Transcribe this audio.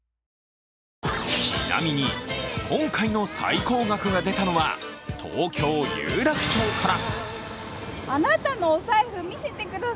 ちなみに、今回の最高額が出たのは東京・有楽町から。